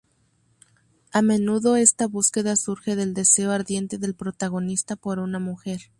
A menudo esta búsqueda surge del deseo ardiente del protagonista por una mujer.